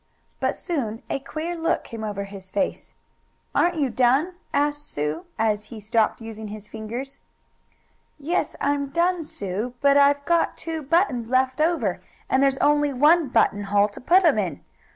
But soon a queer look came over his face. "Aren't you done?" asked Sue, as he stopped using his fingers. "Yes, I'm done, Sue, but I've got two buttons left over, and there's only one buttonhole to put 'em in!